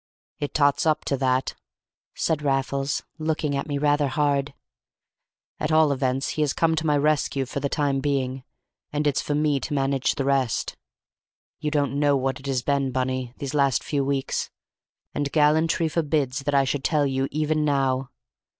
"It tots up to that," said Raffles, looking at me rather hard. "At all events he has come to my rescue for the time being, and it's for me to manage the rest. You don't know what it has been, Bunny, these last few weeks; and gallantry forbids that I should tell you even now.